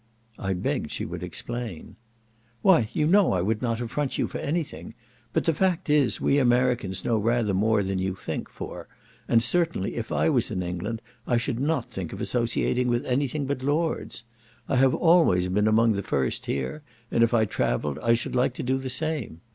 I begged she would explain. "Why, you know I would not affront you for any thing; but the fact is, we Americans know rather more than you think for, and certainly if I was in England I should not think of associating with anything but lords. I have always been among the first here, and if I travelled I should like to do the same.